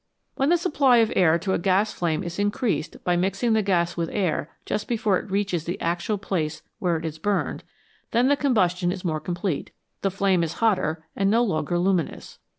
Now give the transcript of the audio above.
When the supply of air to a gas flame is increased by mixing the gas with air just before it reaches the actual place where [i is burned, then the combus tion is more complete, the flame is hotter and no longer luminous.